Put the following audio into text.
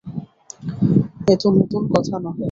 এ তো নূতন কথা নহে।